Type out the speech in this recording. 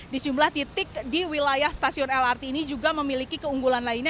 di sejumlah titik di wilayah stasiun lrt ini juga memiliki keunggulan lainnya